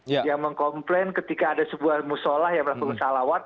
yang mengkomplain ketika ada sebuah musolah yang melakukan salawat